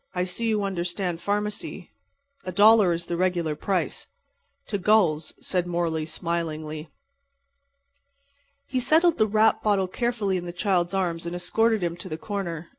"I see you understand pharmacy. A dollar is the regular price." "To gulls," said Morley, smilingly. He settled the wrapped bottle carefully in the child's arms and escorted him to the corner.